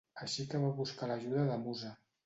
Així que va buscar l'ajuda de Musa.